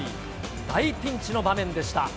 大ピンチの場面でした。